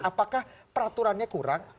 apakah peraturannya kurang